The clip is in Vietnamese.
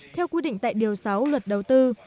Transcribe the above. theo quy định tại điều sáu luật đầu tư